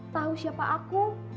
tahu siapa aku